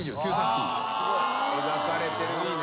描かれてるな。